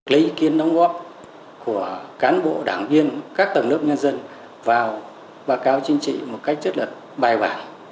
lấy ý kiến đóng góp của cán bộ đảng viên các tầng lớp nhân dân vào báo cáo chính trị một cách rất là bài bản